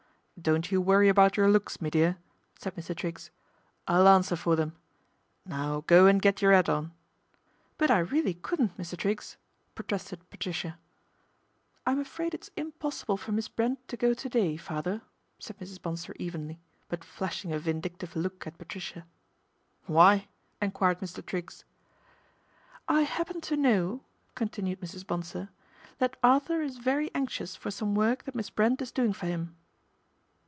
" Don't you worry about your looks, me dear," said Mr. Triggs, " I'll answer for them. Now go and get your 'at on." " But I really couldn't, Mr. Triggs," protested Patricia. " I'm afraid it's impossible for Miss Brent to go to day, father," said Mrs. Bonsor evenly ; but flashing a vindictive look at Patricia. ' Why ?" enquired Mr. Triggs. " I happen to know," continued Mrs. Bonsor, that Arthur is very anxious for some work that Miss Brent is doing for him."